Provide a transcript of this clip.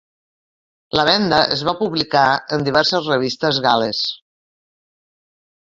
La venda es va publicar en diverses revistes gal·les.